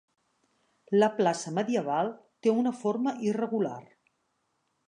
La plaça medieval té una forma irregular.